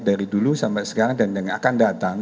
dari dulu sampai sekarang dan yang akan datang